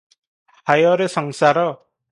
ହାୟରେ ସଂସାର ।